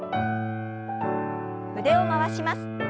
腕を回します。